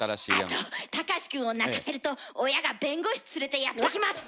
あと隆史くんを泣かせると親が弁護士連れてやって来ます！